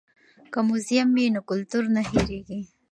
که موزیم وي نو کلتور نه هیریږي.